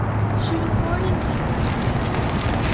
She was born in Tenerife.